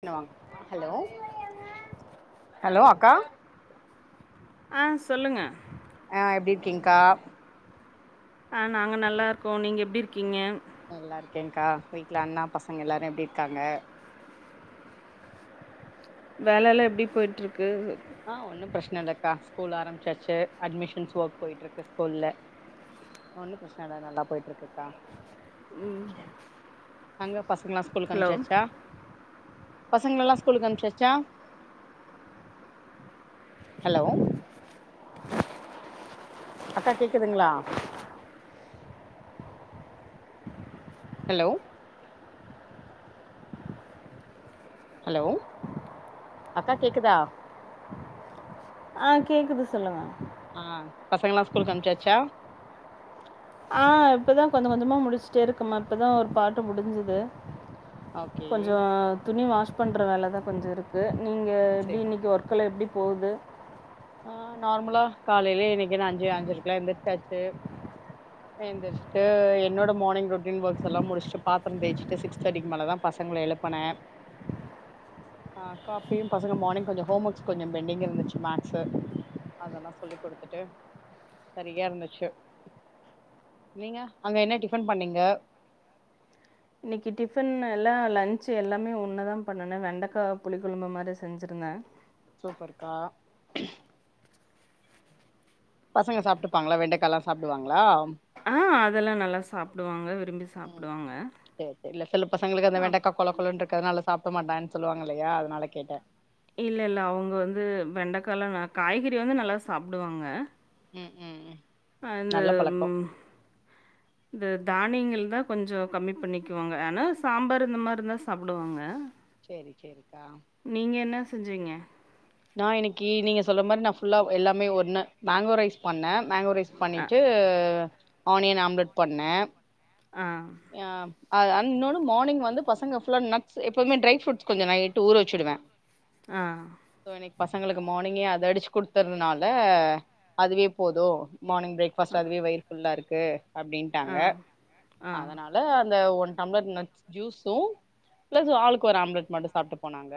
பண்ணுவாங்க hello hello அக்கா ஆ சொல்லுங்க ஆ எப்டி இருக்கீங்க்கா? ஆ நாங்க நல்லா இருக்கோ நீங்க எப்டி இருக்கீங்க? நல்லா இருக்கேங்க்கா வீட்ல அண்ணா பசங்க எல்லாரு எப்டி இருக்காங்க? வேலலெல்லா எப்டி போய்ட்டு இருக்கு ஆ ஒன்னும் பிரச்சனை இல்லக்கா ஸ்கூல் ஆரம்பிச்சாச்சு அட்மிஷன்ஸ் ஒர்க் போயிட்டு இருக்கு ஸ்கூல்ல ஒன்னும் பிரச்சன இல்ல நல்லா போயிட்டு இருக்குக்கா அங்க பசங்கெல்லா ஸ்கூல்க்கு ஹலோ அனுப்சாச்சா பசங்களல்லா ஸ்கூல்க்கு அனுப்சாச்சா ஹலோ அக்கா கேக்குதுங்ளா ஹலோ ஹலோ அக்கா கேக்குதா ஆ கேக்குது சொல்லுங்க ஆ பசங்க எல்லா ஸ்கூலுக்கு அனுப்சாச்சா ஆ இப்பதா கொஞ்சோ கொஞ்சோமா முடிஸ்ட்டேருக்கமா இப்பதா ஒரு பார்ட்டு முடுஞ்சுது ஓகே கொஞ்சோ துணி வாஷ் பண்ற வேலதா கொஞ்சோ இருக் கு நீங்க சேரி க்ளீனிக் ஒர்க்கல்லா எப்டி போது ஆ நார்மலா காலைலயே இன்னிக்கு நா அஞ்சு அஞ்சருக்கலாம் எந்திசாச்சு ஏந்திர்ஷ்ட்டு என்னோட மார்னிங் ரொட்டின் ஒர்க்ஸ் எல்லாம் முடிஷ்ட்டு பாத்தர தேய்ச்சிட்டு சிக்ஸ் தேர்ட்டிக்கு மேல தா பசங்கள எழுப் போன ஆ காப்பியும் பசங்க மார்னிங் கொஞ்சோ ஹோம் ஒர்க்ஸ் கொஞ்சோ பெண்டிங் இருந்துச்சு மேக்ஸ் சு அதல்லா சொல்லி்க் குடுத்துட்டு சரியா இருந்துச்சு நீங்க அங்க என்ன டிஃபன் பண்ணிங்க இன்னிக்கி டிஃபன்னு எல்லா லன்ச்சி எல்லாமே ஒன்னு தா பண்ணன்ன வெண்டக்கா புளிக் குழம்பு மாரி செஞ்சிருந்த சூப்பர் கா பசங்க சாப்ட்டுப்பாங்ளா வெண்டக்காலாம் சாப்டுவாங்ளா ஆ அதல்லா நல்லா சாப்டுவாங்க விரும்பி சாப்டுவாங்க சேர் சேர் இல்ல சில பசங்களுக்கு அந்த வெண்டக்கா கொழ கொழன்றுக்கர்னால சாப்ட மாட்டன் சொல்லுவாங்க இல்லயா அதனால கேட்ட இல்ல இல்ல அவுங்க வந்து வெண்டக்காலா நா காய்கறி வந்து நல்லா சாப்டுவாங்க ம் ம் ம் வந்து ம் இது தானியங்கள் தா கொஞ்சோ கம்மி பண்ணிக்குவாங்க ஆனா சாம்பார் இந்த மாரிந்தா சாப்புடுவாங்க சேரி சேரிக்கா நீங்க என்ன செஞ்சிங்க நா இன்னிக்கு நீங்க சொல்ற மாரி நா ஃபுல்லா எல்லாமே ஒன்னு மேங்கோ ரைஸ் பண்ண மேங்கோ ரைஸ் அ, பண்ணிட்டு ஆனியன் ஆம்லெட் பண்ண ஆ ஆ இன்னொன்னு மார்னிங் வந்து பசங்க ஃபுல்லா நட்ஸ் எப்போவுமே ட்ரை ஃப்ரூட்ஸ் கொஞ்சோ நைட்டு ஊற வெச்சிடுவே ஆ சோ இன்னிக்கு பசங்களுக்கு மார்னிங்கே அத அடிச் குடுத்தர்னால அதுவே போது மார்னிங் பிரேக் அ, ஃபாஸ்ட் அதுவே வயிர் ஃபுல்லாருக்கு ஆ, அப்டின்ட்டாங்க ஆ. அதனால அந்த ஒன் டம்ளர் நட்ஸ் ஜூஸும் ப்ளஸ் ஆளுக்கு ஒரு ஆம்லெட் மட்டு சாப்ட்டு போனாங்க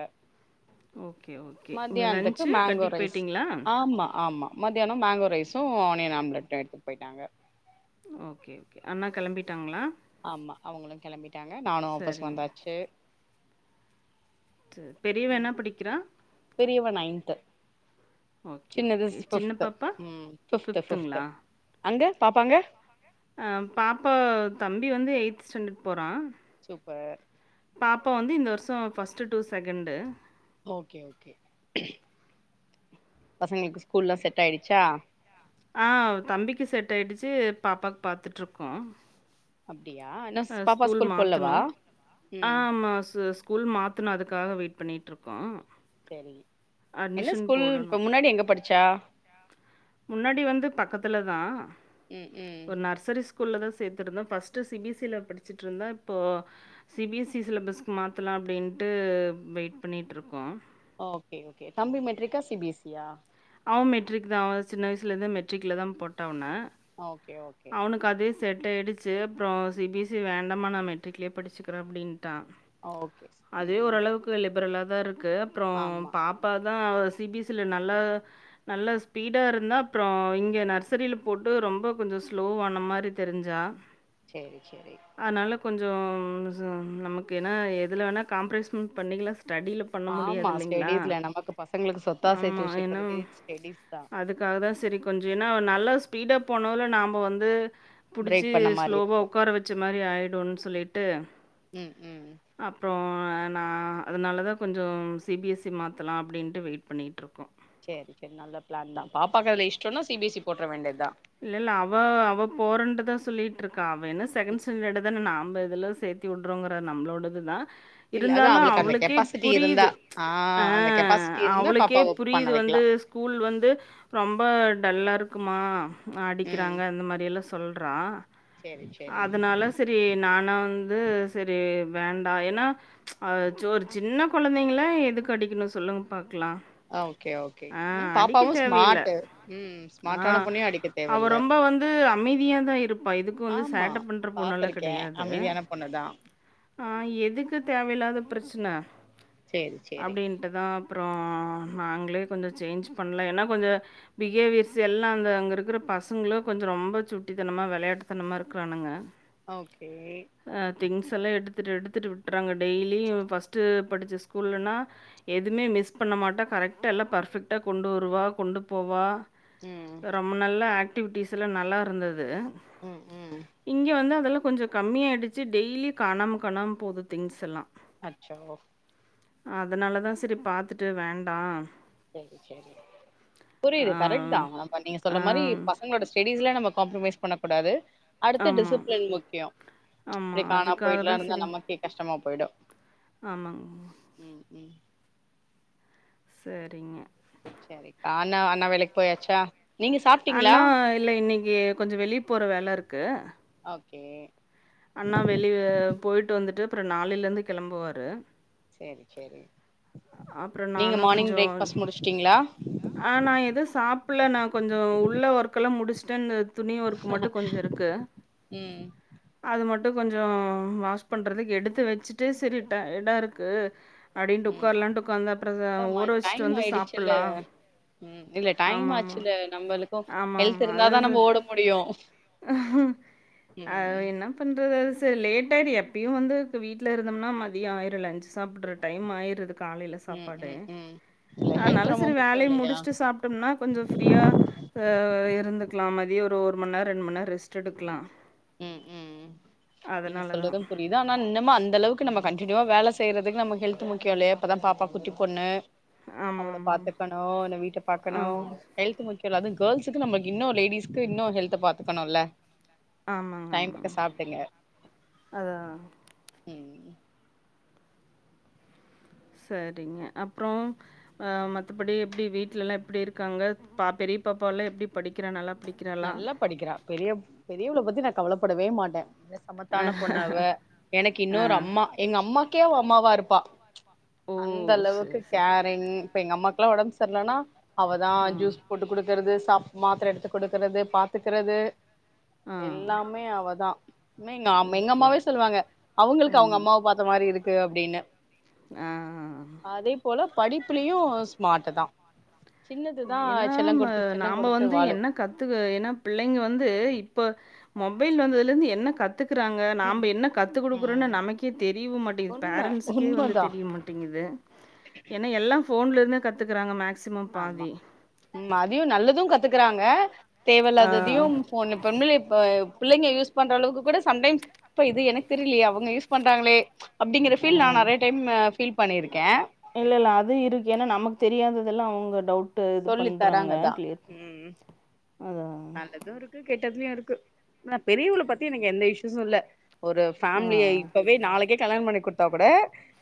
ஓகே, ஓகே. மத்யானத்துக்கு லஞ்ச்சு மேங்கோ கட்டிட்டு ரைஸ் போயிட்டீங்களா? ஆமா ஆமா மத்யானோ மேங்கோ ரைஸும் ஆனியன் ஆம்லெட்டோ எட்த்துட் போய்ட்டாங்க ஓக்கே ஓக்கே அண்ணா கெளம்பிட்டாங்ளா ஆமா அவுங்களு கெளம்பிட்டாங்க நானு ஆபிஸ் சரிங்க. வந்தாச்சு டு பெரியவ என்ன ம் படிக்கிறா பெரியவ நைன்த்து ஓகே, சின்னது ஓகே. சி சின்ன ஃபிஃவ்த்து பாப்பா? ஃபிஃவ்த்து ஃபிஃவ்த்து ஃபிஃப்த்துங்களா? அங்க பாப்பாங்க அ பாப்பா தம்பி வந்து எய்ட்த் ஸ்டாண்டட் போறான் சூப்பர் பாப்பா வந்து இந்த வர்ஷோ first to second okay okay பசங்ளுக்கு ஸ்கூல்லா செட் ஆய்டிச்சா ஆ தம்பிக்கு செட் ஆய்டுச்சு பாப்பாக் பாத்துட்ருக்கோ அப்டியா இன்னு ஸ் அ பாப்பா ஸ்கூல் மாத்தணு போலவா ஆ ம் ஆமா சூஸ் ஸ்கூல் மாத்தணு அதுக்காக வெயிட் பண்ணிட்ருக்கோ செரி என்ன ஸ்கூல் இப்ப முன்னாடி எங்க படிச்சா முன்னாடி வந்து பக்கத்துல தா ம் ம் ஒரு நர்சரி ஸ் கூல்ல தா சேத்துருந்தோ first C B S C ல படிச்சுட்ருந்தா இப்போ சி பி எஸ் சி சிலபஸ்க்கு மாத்தலா அப்டின்ட்டு வெயிட் பண்ணிட்டுருக்கோ ஓகே ஓகே தம்பி மெட்ரிக்கா சி பி எஸ் சியா அவ மெட்ரிக் தா அவ சின்ன வயசுலேருந்தே மெட்ரிக்ல தா போட்ட அவன ஓகே ஓ அவுனுக் கதே செட் ஆடிச்சு அப்றோ சி பி எஸ் சி வேண்டாமா நா மெட்ரிக்லயே படிச்சுக்கிற அப்டின்ட்டா ஓகே அதே ம் ம் ஓரளவுக்கு லிப்ரலா தா இருக்கு அப்றோ ஆமா பாப் பாதா சி பி எஸ் சி ல நல்லா நல்ல ஸ்பீடாக இருந்தா அப்றோ இங்க நர்சரில போட்டு ரொம்ப கொஞ்ச ஸ்லோவான மாரி தெரிஞ்சா செரி செரி அனால கொஞ்சோ நமக்கு எனா எதுல வேணா காம்பரரைஸ்மண்ட பண்ணிக்கலா ஸ்டடில கொஞ்சோ பண்ண ஆமா முடியாது இல்லைங்களா ஸ்டெடீஸ்ல நமக்கு பசங்களுக்கு சொத்தா சேத்து ஆமா ஏனா வச்சுக்கிறதே ஸ்டெடீஸ் தா அதுக் காக தான் சரி கொஞ்ச எனா நல்லா ஸ்பீடப் போனல நாம வந்து புடிச்சி பிரேக் பண்ண மாரி ஸ்லோவா இருக்கு ஒட்கார வச்ச மாரி ஆய்டுன் சொல்லிட்டு ம் ம் ம் அப்றோ அ நா அதனால தா கொஞ்சோம் சி பி எஸ் சி மாத்தலா அப்டின்ட்டு வெயிட் பண்ணிட்ருக்கோ செரி செரி நல்ல பிளான் தா பாப்பாக்கு அதுல இஷ்டன்னா சி பி எஸ் சி போட்ற வேண்டிதா இல்ல இல்ல அவ அவ போறன்ட்டுதா சொல்லிட்ருக்கா அவ என்ன செகண்ட் ஸ்டாண்டர்டு தான நாம்ப இதுல சேத் த்தி வுட்றோங்கற நம்ளோடது தா இல்ல அதா இருந்தாலு அவளுக்கு அந்த அவளுக்கே கெப்பாசிட்டி இருந்தா புரியுது ஆ அந்த கெப்பாசிட்டி இருந்தா அவளுக்கே பாப்பாவ பண்ண புரியுது வந்து வைக்கலா ஸ்கூல் வந்து ரொம்ப டல்லாக இருக்குமா ம் அடிக்கிறாங்க அந்த மாரில்லா சொல்றா சேரி சேரி அதனால சரி நானா வந்து சரி வேண்டா எனா அ ச்சோ ஒரு சின்ன கொழந்தங்களா எதுக்கு அடிக்கணு சொல்லுங்க பாக்லா அ ஓகே ஓகே பாப்பாவு ஸ்மார்ட்டு ம் ஆ ஸ்மாட்டான பொண்ணயே அடிக்கற் அவ ரொம்ப வந்து அமைதியா தா இருப்பா இதுக்கு வந்து ஆமா சேட்ட பண்ணுற பொண்ணலா பாத்திருக்கே கடையாது அமைதியான பொண்ணுதா ஆ எதுக்கு தேவையில்லாத ப்ரெச்சன சேரி சேரி அப்டின் ட்டு தா அப்றோ நாங்ளே கொஞ்ச சேஞ்ச் பண்ல எனா கொஞ்ச பிஹேவியர்ஸ்சு எல்லா அந்த அங்க இருக்குற பசங்களு கொஞ்ச ரொம்ப சுட்டித்தனமா வேளையாட்டுத்தனமா இருக் க்றானுங்க ஓகே அ திங்ஸ் எல்லா எடுத்துட்டு எடுத்துட்டு விட்றாங்க டெய்லியு ஃபஸ்ட்டு படிச்ச ஸ்கூலுனா எதுமே மிஸ் பண்ண மாட்டா கரெக்ட்டா எல்லா பர்ஃபெக்ட்டா கொண்டு வருவா கொண்டு போவா ம் நம்ம நல்லா ஆக்டிவிட்டிஸ்லா நல்லா இருந்துது ம் ம் இங்க வந்து அதல்லா கொஞ்ச கம்மி ஆயிருச்சி டெய்லி காணாம காணாம போது திங்ஸ் எல்லா அச்சோ அதனால தா சரி பாத்துட்டு வேண்டா செரி செரி புரியிது கரெக்ட் தா நீங்க சொல்ற மாரி பசங்களோட ஸ்டெடீஸ்ல நம்ம காம்பரமைஸ் பண்ணக் கூடாது அடுத்து ஆமாம் டிசிப்ளின் முக்கியம் ஆமாம் லலக் காணா அதுக்காக போயட்லாம் இருந்தா நமக்கே கஷ்டமா போயிடும் ஆமாங் உம் உம் செரிங்க செரிங் ஆண்ணா அண்ணா வேலைக் போயாச்சா நீங்க சாப்ட்டீங்களா அண்ணா இல்ல இன்னைக்கி கொஞ்சம் வெளிய போற வேல இருக்கு ஓகே அண்ணா வெளியே போயிட்டு வந்துட்டு அப்றம் நாளேலருந்து கெளம்புவாரு செரி செரி அப்புறம் நீங்க நானும் மானிங் பிரேக் கொஞ்சம் ஃபஸ்ட் முடிச்சுட்டீங்ளா ஆ நா எதும் சாப்புல்ல நா கொஞ்சம் உள்ள ஒர்க்கெல்லாம் முடிச்சிட்டேன் [unintelligible] துணி ஒர்க் மட்டும் கொஞ்சம் இருக்கு ம் அது மட்டும் கொஞ்சம் வாஸ் பண்றதுக்கு எடுத்து வச்சுட்டு சரி டைய்டா இருக்கு அப்டின்னுட்டு ம் உக்கார்லான்டு உக்காந்தா அப்றம் ஆ அதாம்மா ஊற வச்சுட்டு வந்து சாப்புல்லாம் உம் இல்ல டைம் ஆச்சுல்ல நம்மளுக்கும் ஹெல்த் இருந்தாதான் நம்ம ஓட முடியும் அவ் இன்னு என்ன பண்றது அது ச லேட்ட ஆயி எப்பியும் வந்து வீட்ல இருந்தோம்னா மதியம் ஆயிரும்ல லஞ்சு சாப்புட்ற டைம் ஆயிருது காலையில ம் சாப்பாடு ம் ம் இல்ல அத்னால ஹெல்த் ரொம்ப சரி முக்கியோ வேலைய இல்லையா முடிச்சுட்டு சாப்ட்டோம்னா கொஞ்சம் ஃப்ரீயா ஆ இருந்துக்லாம் மதியோம் ஒரு மண் நேரொ ரெண்டு மண் நேரொ ரெஸ்ட் எடுக்லாம் உம் உம் நீங்க தான் சொல்றதும் புரி யுது ஆனா இன்னம்மா அந்த அளவுக்கு நம்ம கண்டினியூவா வேல செய்றதுக்கு நம்ம ஹெல்த்து முக்கியம் இல்லையா இப்பதா பாப்பா குட்டி பொண்ணு ஆமா அவ்ள ஆமா பாத்துக்கணு இன்னூ வீட்ட பாக்கணூ ஆமா ஹெல்த் முக்கியம் அது கேல்ஸுக்கு நம்ளுக்கு இன்னும் லேடீஸ்க்கு இன்னும் ஹெலத்த பாத்துக்கணுல்ல ஆமாங்க டைமுக்கு ஆமாங்க சாப்டுங்க அதுதா ம் சேரிங்க அப்றோம் ஆ மத்தபடி எப்டி வீட்லலாம் எப்டி இருக்காங்க பா பெரிய பாப்பாவலா எப்டி படிக்கிறா நல்லா படி நல்லா படிக்கிறா பெரிய பெரியவள பத்தி நா கவலப்படவே மாட்டேன் சமத்தான பொண்ணு அவ எனக்கு ஆ இன்னொரு அம்மா எங்க அம்மாக்கே அவ அம்மாவா இருப்பா ஓ அந்த அளவுக்கு சரி சரி கேரிங் இப்ப எங்க அம்மாக்ல்லாம் ஒடம்பு சரியில்லனா அவதா ஆ ஜூஸ் போட்டு குடுக்குறது சாப் மாத்தர எடுத்து குடுக்குறது பாத்துக்கிறது ஆ எல்லாம் மே அவதா மே எங் அம் எங்க ஓகே அம்மாவே ஓகே சொல்வாங்க அவுங்ளுக்கு அவுங்க ம் அம்மாவ பாத் த மாரி இருக்கு அப்டின்னு ஆ அதே போல படிப்புலயும் ஸ்மார்ட் தா சின்னதுதா ஏன்னா செல்ல ம கொடுத்து செல்ல நாம்ப கொடுத்து வந்து வாழு என்ன கத்துக்க என்னா பிள்ளைங்க வந்து இப்போ மொபைல் வந்ததுலேந்து என்ன கத் துக்றாங்க நாம்ப என்ன கத்து குடுக்குறோன்னு நமக்கே தெரியவு மாட்டிங்குது உண்ம பேரண்ட்ஸுக்கே வந்து உண்மதா தெரிய மாட்டிங்குது ஏன்ன எல்லாம் ஃபோன்ல இருந்தே கத்துக்குறாங்க மேக்சிமம் ஆமா பாதி உம் அதையும் நல்லதும் கத்துக்குறாங்க ஆ தேவயில்லாததையும் ஃபோன்ல இப்ப உண்மையிலே இப்ப பிள்ளைங்க யூஸ் பண்ற அளவுக்கு கூட சம்டைம்ஸ் இப்ப இது எனக்கு தெரிலையே அவுங்க யூஸ் பண்றாங்ளே அப்டிங்கிற ஆ ஃபீல் நான் நறையா டைம் ம் ஃபீல் பண்ணியிருக்கேன் இல்ல இல்ல அது இருக்கு ஏன்னா நமக்கு தெரியாததெல்லாம் அவுங்க டவுட் ட்டு இது சொல்லி பண்றாங்க தராங்கதா கிளியர் அதான் நல்லதும் இருக்கு கெட்டதுலயும் இருக்கு ஆன பெரியவுல பத்தி எனக்கு எந்த இஷ்யூஸும் இல்ல ஒரு ஆ ஃபேமிலிய இப்பவே நாளைக்கே கல்யாணம் பண்ணி குடுத்தா கூட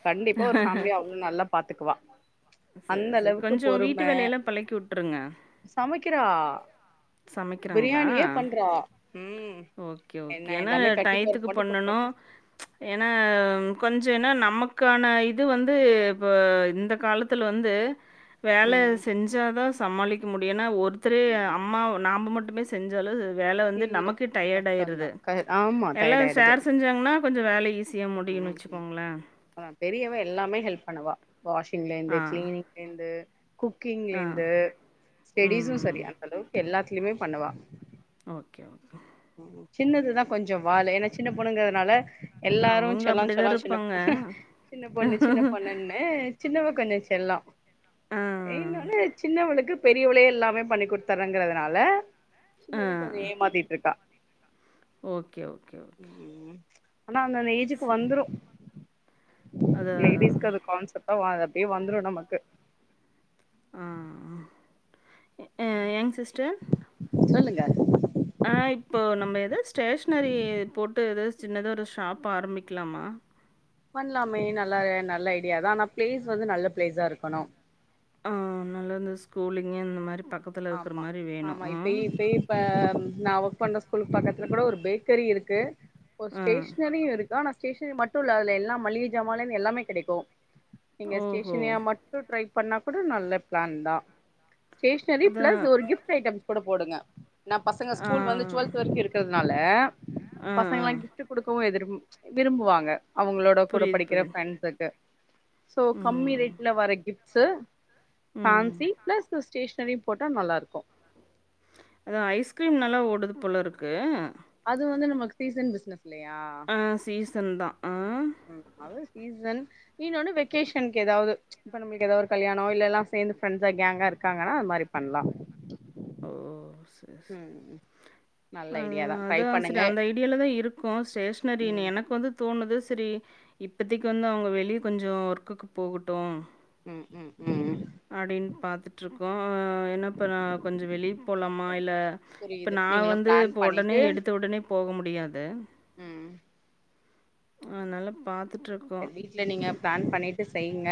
கண்டிப்பா ஒரு ஃபேமிலிய அவ்ளோ நல்லாப் பாத்துக்குவா சேரி அந்த சேரி அளவுக்கு கொஞ்சோ வீட்டு பொறும வேலையெலா பழக்கி உட்ருங்க சமைக்கிறா சமைக்கிறாங்ளா பிரியாணியே பண்றா ம் ஓகே ஓகே என்ன ஏனா எல்லாமே கட்டிங் ஒர்க் டயத்துக்கு மட்டு குடுத்தா பண்ணனு கூட ஏனா கொஞ்சோ ஏனா நமக்கான இது வந்து இப்ப இந்த காலத் துல வந்து வேல ம் செஞ்சாதா சமாளிக்க முடியுனா ஒருத்தரே ம் அம்மா நாம மட்டுமே செஞ்சாலு வேல வந்து நமக்கு டயர்டாயிருது அ ஆமா டயர்ட் எல்லாரு ஆயிடுது ஷேர் செஞ்சாங்கன்னா கொஞ்சோ வேல ஈஸியா முடியும்னு ம் ம் வச்சுக்கோங்களே பெரியவ எல்லாமே ஹெல்ப் பண்ணுவா வாஷிங்லருந்து ஆ கிளீனிங்லருந்து ஆ குக்கிங்லருந்து ம் ஸ்டடிஸும் செரி ம் அந்த அளவுக்கு எல்லாத்துலயுமே பண்ணுவா ஓகே ஓகே சின்னதுதா கொஞ்சோ வாலு ஏனா சின்ன பொண்ணுங்கறதனால எல்லாரு அவங்க செல்லோ அப்படிதா செல்லோ சின்ன இருப்பாங்க பொண்ணு சின்ன பொண்ணு சின்ன பொண்ணுன்னு சின்னவ கொஞ்சோ செல்லோ ஆ இன்னொனு சின்னவளுக்கு பெரியவளே எல்லாமே பண்ணி குடுத்தற்றாங்கிறதால ஆ சின்னவ கொஞ்சோ ஏமாத்திட்ருக்கா ஓகே ஓகே ஓ ம் ஆனா அந்தந்த ஏஜுக்கு சரி வந்துரு அது லேடிஸ்க்கு அது கான்செப்ட்டா அது அப்டியே வந்துரு நமக்கு ஆ ஏ ஏங் சிஸ்டர் சொல்லுங்க ஆ இப்போ நம்ம எதாது ஸ்டேஷ்னரி போட்டு ஏதாது சின்னதா ஒரு ஷாப் ஆரம்பிக்லாமா பண்லாமே நல்லா அ நல்ல ஐடியா தா ஆனா பிளேஸ் வந்து நல்ல பிளேஸா இருக்கணு ஆ நல்லா இந்த ஸ்கூலிங்கு இந்த மாரி பாக்கப் ஆமா ஆமா இப்பயே இப்பயே இப்ப நா ஒர்க் பண்ற ஸ்கூல் பக்கத்துல கூட ஒரு பேக்கரி இருக்கு ஒரு ஆ ஸ்டேஷனரியுருக் அதா னா ஸ்டேஷனரி மட்டுல்ல அதுல எல்லா மளிகை ஜமான்லருந்து எல்லாமே கிடைக்கு நீங்க ஓஹோ ஸ்டேஷனரியா மட் ட்ரை பண்ணா கூட நல்ல பிளான் தா ஸ்டேஷனரி அதான் பிளஸ் ஒரு கிஃப்ட் ஐட்டம்ஸ் கூட போடுங்க நா பசங்க ஆ ஸ்கூல் வந்து ச்வெல்த் வரைக்கு இருக்கிறதுனால ஆ ஆ பசங்கலா கிஃப்ட் குடுக்கவு எதிர் விரும்புவாங்க அவங்களோட கூட புரியுது படிக்கிற புரியுது ஃப்ரெண்ட்ஸுக்கு சோ கம்மி ம் ரேட்ல வர கிஃப்சு ம் ஃபேன்ஸி பிளஸு ஸ்டேஷ னரியு போட்டா நல்லாருக்கு அதா ஐஸ்கிரீம் நல்லா ஓடுது போலருக்கு அது வந்து நமக்கு சீசன் பிசினஸ் இல்லயா ஆ சீசன் தா ஆ ம் அது சீசன் இன்னொனு வெக்கேஷன்க்கெதாது இப்ப நமளுக்கெதா ஒரு கல்யாணோ இல்லலா சேர்ந்து ஃரெண்ட்ஸா கேங்கா இருக்காங்கன்னா அது மாரி பண்ணலா ஓ செ ம் நல்ல ஐடியா தா ட்ரை அதா அதா சேரி பண்ணுங்க அந்த ஐடியால தா இருக்கோ ஸ்டேஷ்னரி நீ ம் எனக்கு வந்து தோணுது சேரி இப்பதைக்கு வந்து அவங்க வெளிய கொஞ்சோ ஒர்க்குக்கு போகட்டு ம் ம் ம் ம் அப்டின் பாத்துட்டு இருக்கோம் என் அப்பறோ கொஞ்சோ வெளிய போலாம இல்ல இப்ப புரியுது நான் நீங்களு வந்து பிளான் இப்ப ஒடனே பண்ணிட்டு எடுத்த உடனே போக முடியாது ம் அத்னாலா பாத்துட்டிருக்கோ இல்ல நீங்க பிளான் பண்ணிட்டு செய்யுங்க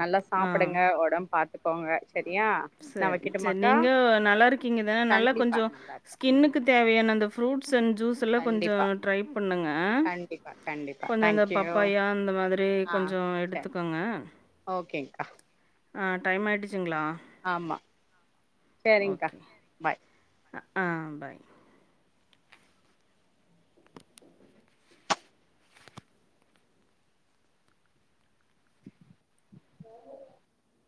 நல்லா ஆ சாப்புடுங்க ஒடம் பாத்துக்கோங்க செரியா நா வெக்கிட்டுமாக்கா இப்ப நல்லா இருக் கிங்க தானே நல்லா கொஞ்சோ இருக்கு ம் ஸ்கின்னுக்கு தேவையான அந்த ரூட்ஸ் அண்ட் ஜூஸ் அதெல்லா கொஞ்சோ கண்டிப்பா ட்ரை பண்ணுங்க கண்டிப்பா கண்டிப்பா கொஞ்சோ இந்த தேங்க்யூ பப்பாயா இந்த மாதிரி கொஞ்சோ எடுத் துக்கோங்க ஓகேங்கா ஆ டைம் ஆயிடுச்சுங்ளா ஆமா செரிங்க்கா ஓகே பாய் ஆ பாய்